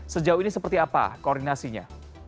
sejauh ini seperti apa koordinasinya